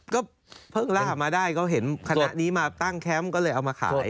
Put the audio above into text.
ก็เพิ่งล่ามาได้ก็เห็นคณะนี้มาตั้งแคมป์ก็เลยเอามาขาย